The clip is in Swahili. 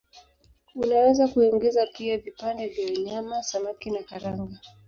Unaweza kuingiza pia vipande vya nyama, samaki na karanga.